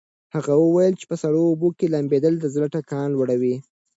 هغه وویل چې په سړو اوبو کې لامبېدل د زړه ټکان لوړوي.